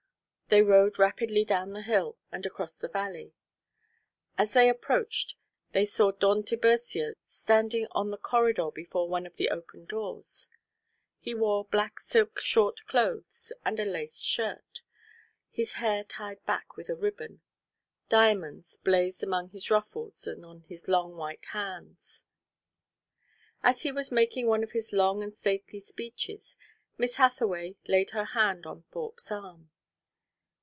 They rode rapidly down the hill and across the valley. As they approached, they saw Don Tiburcio standing on the corridor before one of the open doors. He wore black silk short clothes and a lace shirt, his hair tied back with a ribbon. Diamonds blazed among his ruffles and on his long white hands. As he was making one of his long and stately speeches, Miss Hathaway laid her hand on Thorpe's arm.